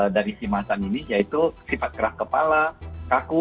dari si macan ini yaitu sifat kerah kepala kaku